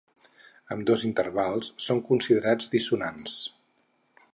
Ambdós intervals són considerats dissonants.